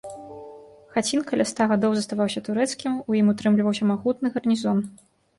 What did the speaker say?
Хацін каля ста гадоў заставаўся турэцкім, у ім утрымліваўся магутны гарнізон.